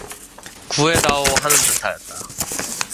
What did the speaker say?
구해 다오 하는 듯하였다.